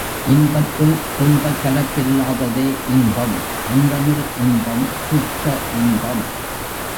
இன்பத்தில் துன்பக் கலப்பில்லாததே இன்பம் அந்தமில் இன்பம் சுத்த இன்பம்.